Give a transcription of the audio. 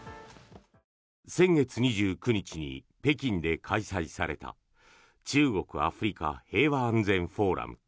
先月２９日に北京で開催された中国・アフリカ平和安全フォーラム。